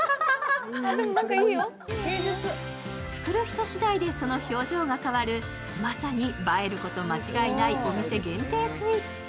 作る人しだいでその表情が変わる、まさに映えること間違いないお店限定スイーツ。